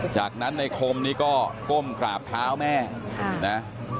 จากนั้นในคมนี่ก็ก้มกราบเท้าแม่นะ